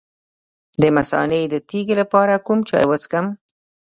د مثانې د تیږې لپاره کوم چای وڅښم؟